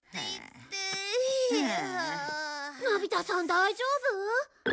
のび太さん大丈夫？